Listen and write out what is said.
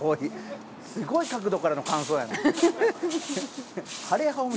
すごい角度からの感想やな。